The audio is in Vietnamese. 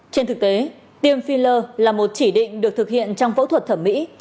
trên thực tế tiêm filler là một chỉ định được thực hiện trong phẫu thuật thẩm mỹ